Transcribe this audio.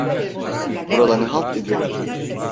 Burada ne halt ediyorsun?